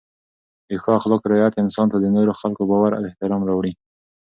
د ښو اخلاقو رعایت انسان ته د نورو خلکو باور او احترام راوړي.